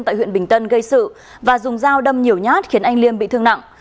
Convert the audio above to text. tại huyện bình tân gây sự và dùng dao đâm nhiều nhát khiến anh liêm bị thương nặng